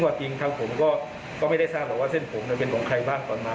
จริงทางผมก็ไม่ได้ทราบหรอกว่าเส้นผมเป็นของใครบ้างก่อนมา